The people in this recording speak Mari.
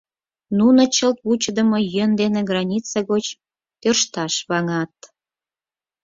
Нуно чылт вучыдымо йӧн дене граница гоч тӧршташ ваҥат...